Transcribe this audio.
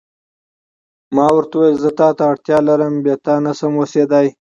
ما ورته وویل: زه تا ته اړتیا لرم، بې تا نه شم اوسېدای.